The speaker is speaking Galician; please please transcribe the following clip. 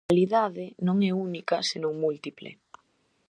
A realidade non é única senón múltiple.